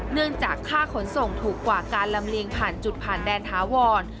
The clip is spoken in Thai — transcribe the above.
เนื่องจากค่าขนส่งถูกกว่าการลำเลียงผ่านจุดผ่านแดนถาวร